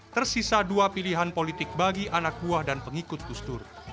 tersisa dua pilihan politik bagi anak buah dan pengikut gus dur